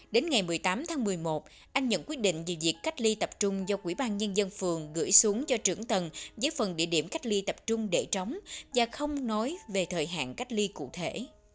đến ngày một mươi tám tháng một mươi một anh nhận quyết định về việc cách ly tập trung do quỹ ban nhân dân phường gửi xuống cho trưởng tầng với phần địa điểm cách ly tập trung để trống và không nói về thời hạn cách ly cụ thể